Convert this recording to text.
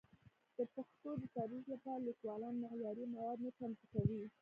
د پښتو د تدریس لپاره لیکوالان معیاري مواد نه چمتو کوي.